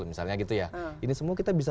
misalnya gitu ya ini semua kita bisa